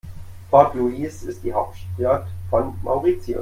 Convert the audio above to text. Port Louis ist die Hauptstadt von Mauritius.